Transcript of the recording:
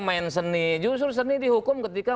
main seni justru seni dihukum ketika